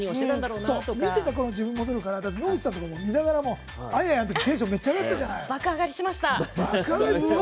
見てたころの自分に戻るから野口さんとかも見ながらあややのときテンションめっちゃ上がったじゃない。